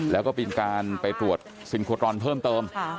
แล้วก็เป็นการไปตรวจซินโคตรอนเพิ่มเติม